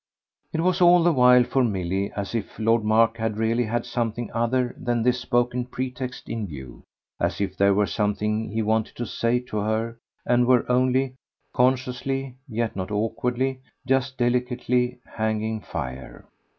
It was all the while for Milly as if Lord Mark had really had something other than this spoken pretext in view; as if there were something he wanted to say to her and were only consciously yet not awkwardly, just delicately hanging fire.